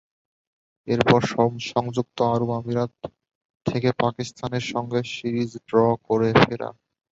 এরপর সংযুক্ত আরব আমিরাত থেকে পাকিস্তানের সঙ্গে সিরিজ ড্র করে ফেরা।